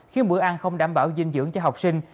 khiến bữa ăn không đảm bảo dinh dưỡng cho học sinh